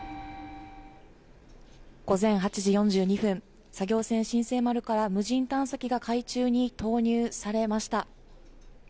午前８時４２分作業船「新世丸」から今無人探査機が海中に投入されました。